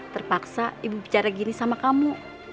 terpaksa ibu bicara gini sama kamu